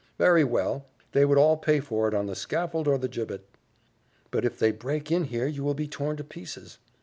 "Very well. They would all pay for it on the scaffold or the gibbet." "But if they break in here you will be torn to pieces."